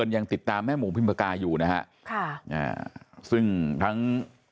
ยังติดตามแม่หมูพิมพากาอยู่นะฮะค่ะอ่าซึ่งทั้ง